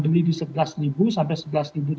beli di rp sebelas sampai rp sebelas